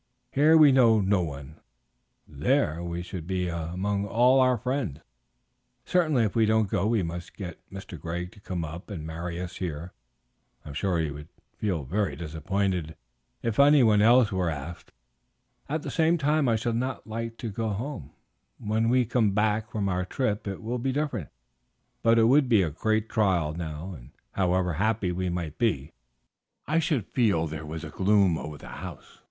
Here we know no one, there we should be among all our friends; certainly if we don't go we must get Mr. Greg to come up and marry us here. I am sure he would feel very disappointed if anyone else were asked. At the same time I should not like to go home. When we come back from our trip it will be different; but it would be a great trial now, and however happy we might be, I should feel there was a gloom over the house."